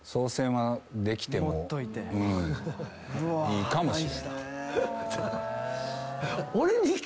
いいかもしれない。